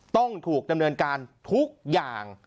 ต้องถูกดำเนินการทุกอย่าง